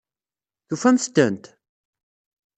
Tufamt-tent?